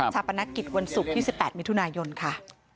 ปนักกิจวันศุกร์ที่๑๘มิถุนายนค่ะ